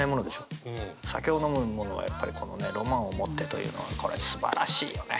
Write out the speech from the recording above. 酒を飲む者はやっぱりこのねロマンを持ってというのはこれすばらしいよね。